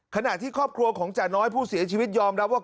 ขณะที่ครอบครัวของจาน้อยผู้เสียชีวิตยอมรับว่า